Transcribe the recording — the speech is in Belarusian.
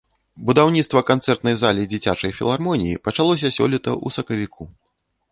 Будаўніцтва канцэртнай залі дзіцячай філармоніі пачалося сёлета ў сакавіку.